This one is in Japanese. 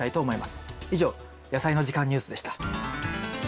以上「やさいの時間ニュース」でした。